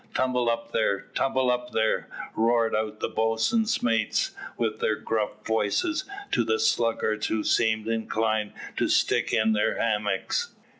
"Tumble up there, tumble up there," roared out the boatswain's mates, with their gruff voices, to the sluggards who seemed inclined to stick in their hammocks.